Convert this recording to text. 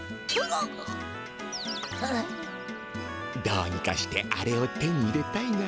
どうにかしてあれを手に入れたいな。